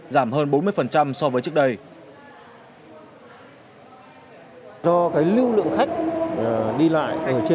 giảm hơn bốn mươi so với trước đây